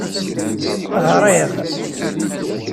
Ɣṛiɣ.